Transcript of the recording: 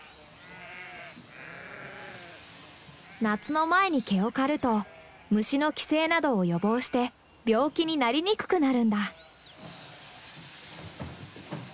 夏の前に毛を刈ると虫の寄生などを予防して病気になりにくくなるんだ。